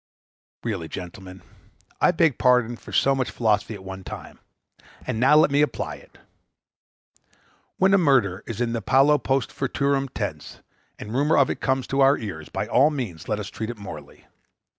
Really, gentlemen, I beg pardon for so much philosophy at one time, and now let me apply it. When a murder is in the paulo post futurum tense, and a rumor of it comes to our ears, by all means let us treat it morally.